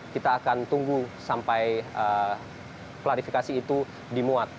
kita akan tunggu sampai klarifikasi itu dimuat